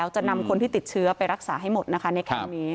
จะนำคนที่ติดเชื้อไปรักษาให้หมดนะครับ